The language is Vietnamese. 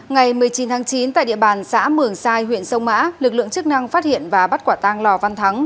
ngày một mươi chín tháng chín tại địa bàn xã mường sai huyện sông mã lực lượng chức năng phát hiện và bắt quả tang lò văn thắng